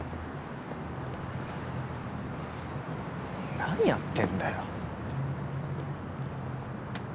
何やってんだよ。